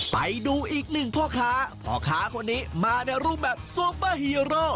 ไปดูอีกหนึ่งพ่อค้าพ่อค้าคนนี้มาในรูปแบบซูเปอร์ฮีโร่